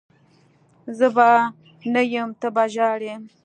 زه به نه یم ته به ژاړي